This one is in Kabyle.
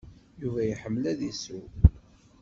Yuba iḥemmel ad isew.